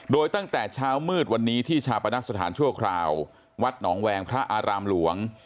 โดยตั้งแต่เช้ามืดวันนี้ที่ชาปนักสถานชั่วคราววัดหนองแวงพระอารามหลวง